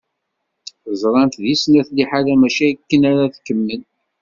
Ẓrant di snat liḥala mačči akken ara tkemmel.